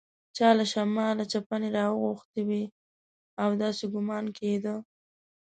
چا له شماله چپنې راغوښتي وې او داسې ګومان کېده.